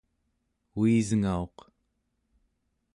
uisngauq